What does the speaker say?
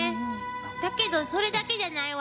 だけどそれだけじゃないわ！